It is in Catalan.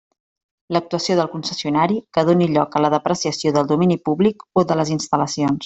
L'actuació del concessionari que doni lloc a la depreciació del domini públic o de les instal·lacions.